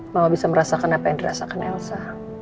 mama bisa merasakan apa yang dirasakan elsa